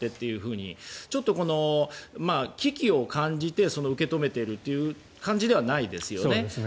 ちょっと危機を感じて受け止めているという感じではないですよね。